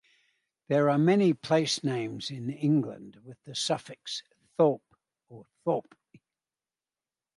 There are many place names in England with the suffix "-thorp" or "-thorpe".